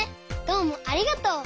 どうもありがとう。